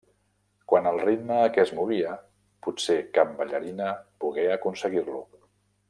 Quant al ritme a què es movia, potser cap ballarina pogué aconseguir-lo.